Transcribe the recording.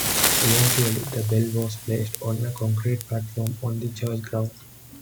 Eventually the bell was placed on a concrete platform on the church grounds.